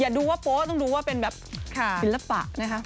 อย่าดูว่าโป๊ะต้องดูว่าเป็นแบบค่ะฟิลปะนะฮะ